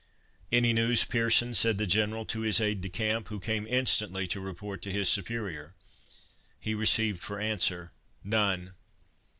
"Any news, Pearson?" said the General to his aide de camp, who came instantly to report to his superior. He received for answer, "None."